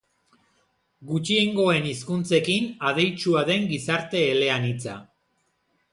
Gutxiengoen hizkuntzekin adeitsua den gizarte eleanitza.